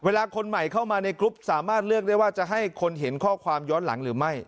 คนใหม่เข้ามาในกรุ๊ปสามารถเลือกได้ว่าจะให้คนเห็นข้อความย้อนหลังหรือไม่